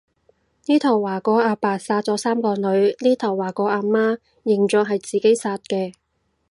呢頭話個阿爸殺咗三個女，嗰頭話個阿媽認咗係自己殺嘅